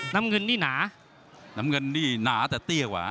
น้ำเงินนี่หนาน้ำเงินนี่หนาแต่เตี้ยกว่า